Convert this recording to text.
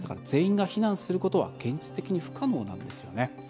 全員が避難することは現実的に不可能なんですよね。